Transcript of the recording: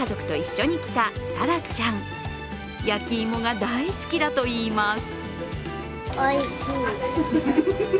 焼き芋が大好きだといいます。